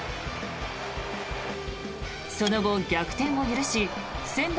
その後、逆転を許し専大